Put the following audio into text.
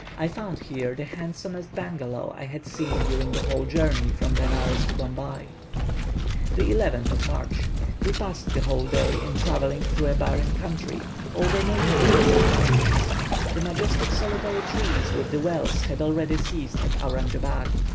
I found here the handsomest bungalow I had seen during the whole journey from Benares to Bombay. 11th March. We passed the whole day in travelling through a barren country, over naked hills and mountains: the majestic solitary trees with the wells had already ceased at Auranjabad.